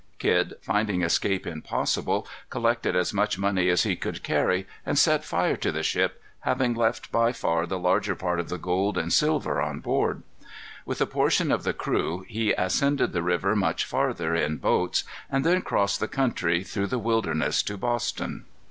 Kidd, finding escape impossible, collected as much money as he could carry, and set fire to the ship, having left by far the larger part of the gold and silver on board. With a portion of the crew he ascended the river much farther, in boats, and then crossed the country, through the wilderness, to Boston.